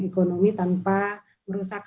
ekonomi tanpa merusak